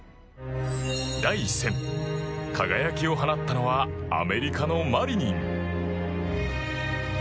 第１戦、輝きを放ったのはアメリカのマリニン。